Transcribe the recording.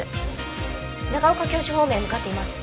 長岡京市方面へ向かっています。